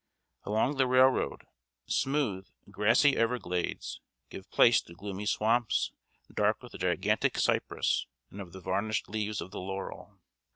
Along the railroad, smooth, grassy everglades give place to gloomy swamps, dark with the gigantic cypress and the varnished leaves of the laurel.